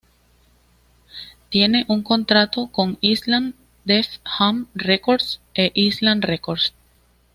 Tiene un contrato con Island Def Jam Records e Island Records.